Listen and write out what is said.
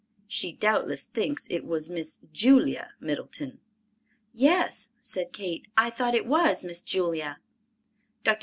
She doubtless thinks it was Miss Julia Middleton." "Yes," said Kate, "I thought it was Miss Julia." Dr.